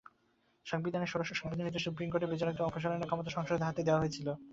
সংবিধানের ষোড়শ সংশোধনীতে সুপ্রিম কোর্টের বিচারকদের অপসারণের ক্ষমতা সংসদের হাতে দেওয়া হয়েছিল।